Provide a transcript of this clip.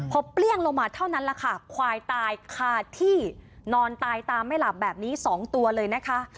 พอเปรี้ยงลงมาเท่านั้นแหละค่ะควายตายคาที่นอนตายตามไม่หลับแบบนี้๒ตัวเลยนะคะ